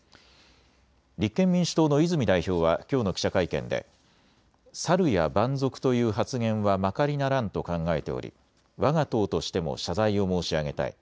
立憲民主党の泉代表はきょうの記者会見でサルや蛮族という発言はまかりならんと考えておりわが党としても謝罪を申し上げたい。